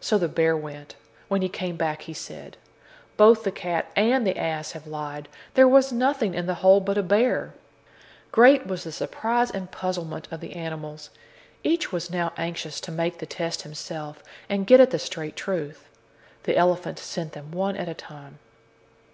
So the bear went. When he came back, he said: "Both the cat and the ass have lied; there was nothing in the hole but a bear." Great was the surprise and puzzlement of the animals. Each was now anxious to make the test himself and get at the straight truth. The elephant sent them one at a time.